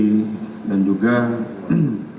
menghilangkan barang bukti